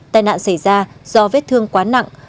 tài nạn xảy ra do vết thương quá nặng